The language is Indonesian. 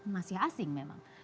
masih asing memang